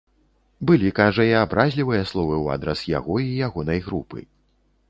Былі, кажа, і абразлівыя словы ў адрас яго і ягонай групы.